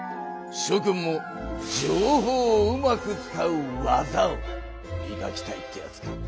しょ君も情報をうまく使う技をみがきたいってやつか？